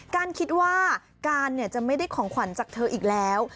การคิดว่าการจะไม่ได้ของขวัญจากเธออีกแล้ว